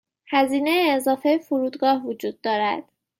هزینه اضافه فرودگاه وجود دارد.